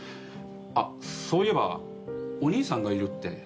あっそういえばお兄さんがいるって。